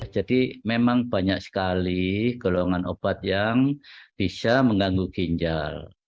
memang banyak sekali golongan obat yang bisa mengganggu ginjal